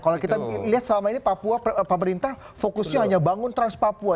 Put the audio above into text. kalau kita lihat selama ini papua pemerintah fokusnya hanya bangun trans papua